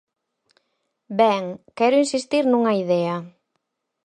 Ben, quero insistir nunha idea.